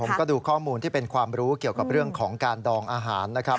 มาดูข้อมูลที่เป็นความรู้เกี่ยวกับเรื่องของการดองอาหารนะครับ